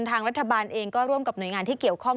ทางรัฐบาลเองก็ร่วมกับหน่วยงานที่เกี่ยวข้อง